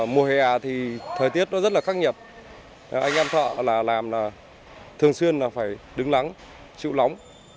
mùa hè thì thời tiết nó rất là khắc nhập anh em thợ là làm là thường xuyên là phải đứng lắng chịu lóng